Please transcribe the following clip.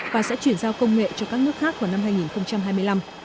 và sẽ chuyển giao công nghệ cho các nước khác vào năm hai nghìn hai mươi năm